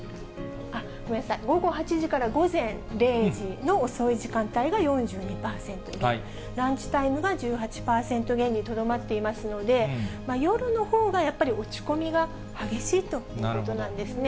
ごめんなさい、午後８時から午前０時の遅い時間帯が４２％減、ランチタイムが１８％減にとどまっていますので、夜のほうがやっぱり落ち込みが激しいということなんですね。